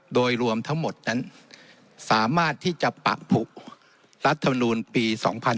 โดยรวมทั้งหมดนั้นสามารถที่จะปะผุรัฐมนูลปี๒๕๕๙